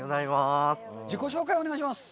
自己紹介をお願いします。